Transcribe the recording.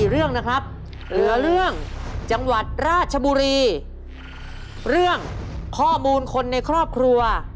เรื่องข้อมูลคนในครอบครัว